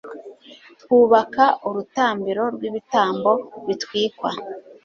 twubaka urutambiro rw'ibitambo bitwikwa